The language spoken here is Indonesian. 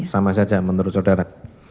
sama saja menurut saudara